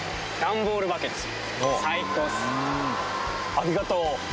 ありがとう！